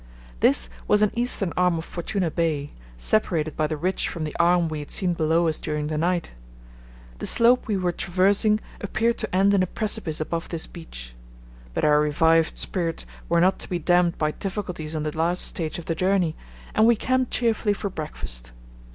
This was an eastern arm of Fortuna Bay, separated by the ridge from the arm we had seen below us during the night. The slope we were traversing appeared to end in a precipice above this beach. But our revived spirits were not to be damped by difficulties on the last stage of the journey, and we camped cheerfully for breakfast.